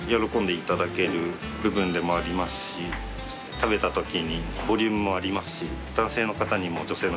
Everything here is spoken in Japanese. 食べたときにボリュームもありますし。